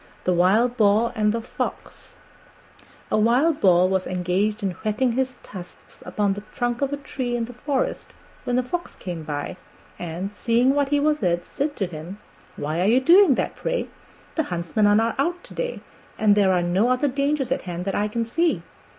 THE WILD BOAR AND THE FOX A Wild Boar was engaged in whetting his tusks upon the trunk of a tree in the forest when a Fox came by and, seeing what he was at, said to him, "Why are you doing that, pray? The huntsmen are not out to day, and there are no other dangers at hand that I can see."